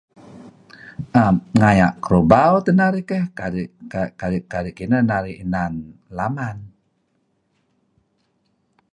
Ngaya' Kerubau teh narih keyh kadi' kineh narih nan laman.